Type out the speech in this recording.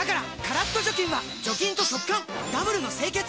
カラッと除菌は除菌と速乾ダブルの清潔！